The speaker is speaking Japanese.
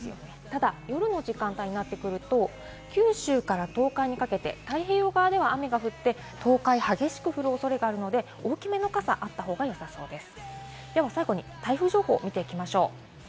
ただ夜の時間帯になってくると、九州から東海にかけて太平洋側では雨が降って東海、激しく降るおそれがあるので、大きめの傘、あった方がよさそうです。